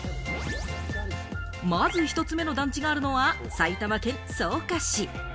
まず一つ目の団地があるのは、埼玉県草加市。